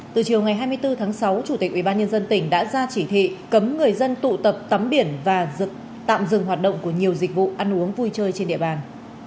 từ chiều ngày hai mươi bốn tháng sáu chủ tịch ubnd tỉnh đã ra chỉ thị cấm người dân tụ tập tắm biển và tạm dừng hoạt động của nhiều dịch vụ ăn uống vui chơi trên địa bàn